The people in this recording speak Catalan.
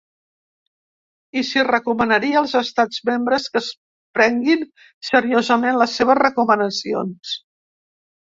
I si recomanaria als estats membres que es prenguin seriosament les seves recomanacions.